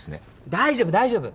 大丈夫大丈夫。